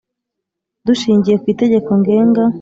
Dushingiye ku Itegeko Ngenga